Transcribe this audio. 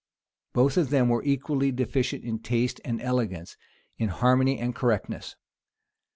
Both of them were equally deficient in taste and elegance, in harmony and correctness.